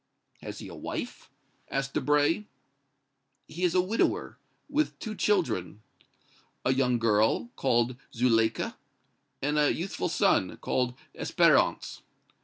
"Has he a wife?" asked Debray. "He is a widower, with two children, a young girl, called Zuleika, and a youthful son, called Espérance.